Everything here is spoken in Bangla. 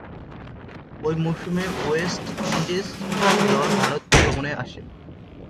ঐ মৌসুমে ওয়েস্ট ইন্ডিজ দল ভারত গমনে আসে।